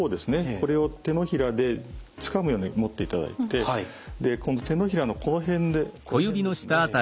これを手のひらでつかむように持っていただいて手のひらのこの辺でこの辺ですね